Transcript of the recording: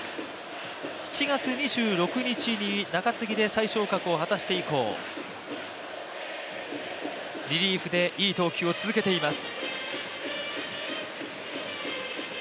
７月２６日に中継ぎで再昇格を果たして以降リリーフでいい投球を続けています。